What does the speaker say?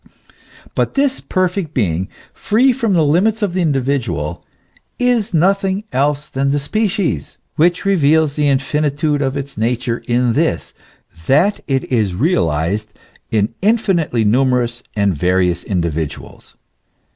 But this perfect being, free from the limits of the individual, is nothing else than the species, which reveals the infinitude of its nature in this, that it is realized in infinitely numerous and various individuals.